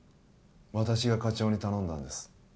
私が課長に頼んだんです